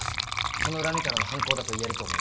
その恨みからの犯行だと言えると思います。